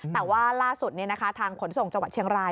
แต่ว่าล่าสุดทางขนส่งจังหวัดเชียงราย